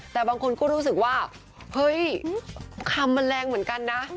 แต่บางคนก็รู้สึกว่าเฮ้ยคำมันแรงเหมือนกันนะ